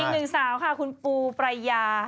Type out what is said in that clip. อีกหนึ่งสาวค่ะคุณปูปรายา